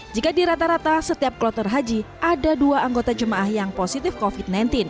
jika di rata rata setiap kloter haji ada dua anggota jemaah yang positif covid sembilan belas